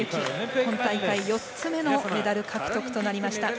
今大会、４つ目のメダル獲得となりました。